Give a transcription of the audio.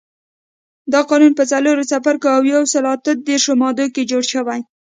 دا قانون په څلورو څپرکو او یو سلو اته دیرش مادو کې جوړ شوی.